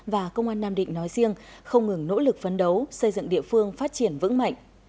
và công an nam định nói riêng không ngừng nỗ lực phấn đấu xây dựng địa phương phát triển vững mạnh